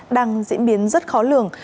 đang diễn biến rất khó lường